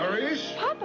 パパ。